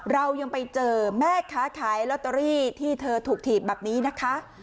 เรายังไปเจอแม่ค้าขายลอตเตอรี่ที่เธอถูกถีบแบบนี้นะคะ